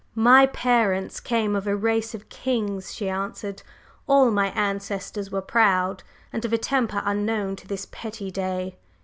"My parents came of a race of kings!" she answered. "All my ancestors were proud, and of a temper unknown to this petty day.